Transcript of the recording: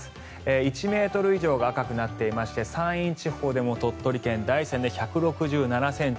１ｍ以上が赤くなっていまして山陰地方でも鳥取県大山で１６７ｃｍ。